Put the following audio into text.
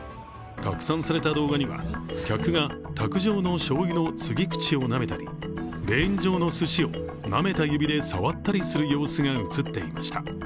拡散された動画には客が卓上のしょうゆの注ぎ口をなめたりレーン上のすしをなめた指で触ったりする様子が映っていました。